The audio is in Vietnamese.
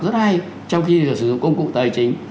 rất hay trong khi là sử dụng công cụ tài chính